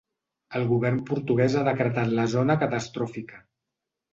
El govern portuguès ha decretat la zona catastròfica.